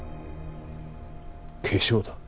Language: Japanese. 化粧だ。